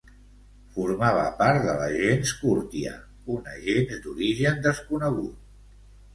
Formava part de la gens Curtia, una gens d'origen desconegut.